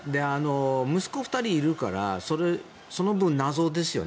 息子が２人いるからその分、謎ですよね。